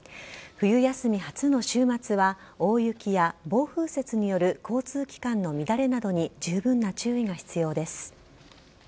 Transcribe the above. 冬休み初の週末は、大雪や暴風雪による交通機関の乱れなどに十分な注意が必要です。